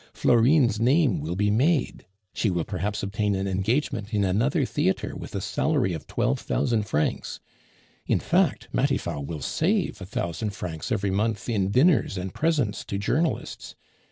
Florine's name will be made; she will perhaps obtain an engagement in another theatre with a salary of twelve thousand francs. In fact, Matifat will save a thousand francs every month in dinners and presents to journalists.